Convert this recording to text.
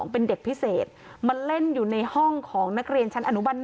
เป็นเด็กพิเศษมาเล่นอยู่ในห้องของนักเรียนชั้นอนุบัน๑